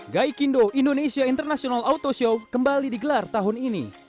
gaikindo indonesia international auto show kembali digelar tahun ini